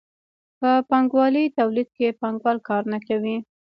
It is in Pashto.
په پانګوالي تولید کې پانګوال کار نه کوي.